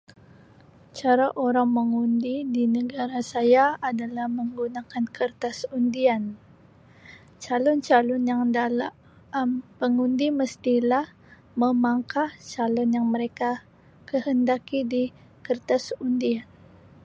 Cara orang mengundi di negara saya adalah menggunakan kertas undian calon-calon [unintelligible] Um pengundi mestilah memangkah calon yang mereka kehendaki di kertas undian.